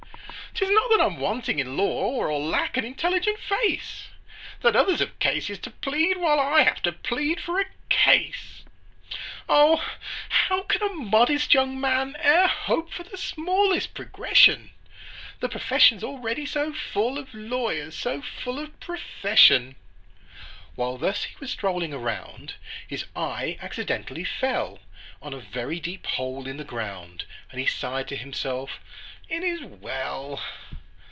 "'Tis not that I'm wanting in law, Or lack an intelligent face, That others have cases to plead, While I have to plead for a case. "O, how can a modest young man E'er hope for the smallest progression,— The profession's already so full Of lawyers so full of profession!" While thus he was strolling around, His eye accidentally fell On a very deep hole in the ground, And he sighed to himself, "It is well!"